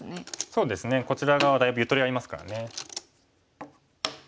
そうですねこちら側だいぶゆとりありますからね。